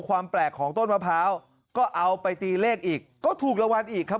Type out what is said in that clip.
ความแปลกของต้นมะพร้าวก็เอาไปตีเลขอีกก็ถูกรางวัลอีกครับ